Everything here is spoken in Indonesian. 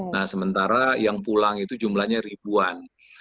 nah sementara yang pulang itu jumlahnya ribuan